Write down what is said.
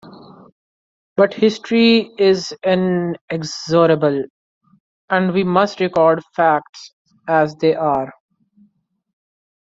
But history is inexorable, and we must record "facts" as they are.